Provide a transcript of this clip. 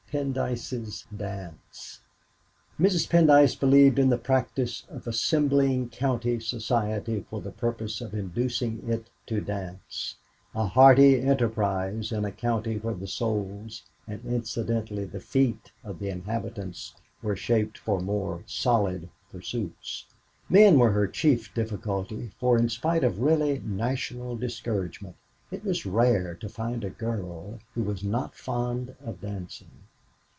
PENDYCE'S DANCE Mrs. Pendyce believed in the practice of assembling county society for the purpose of inducing it to dance, a hardy enterprise in a county where the souls, and incidentally the feet, of the inhabitants were shaped for more solid pursuits. Men were her chief difficulty, for in spite of really national discouragement, it was rare to find a girl who was not "fond of dancing."